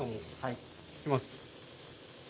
いきます。